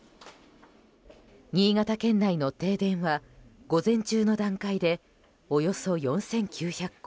新潟県内の停電は午前中の段階でおよそ４９００戸。